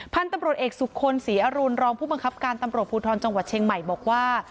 พันธุ์ตำรวจเอกสุคลศรีอรุณรองผู้บังคับการตำรวจภูทรจังหวัดเชียงใหม่บอกว่า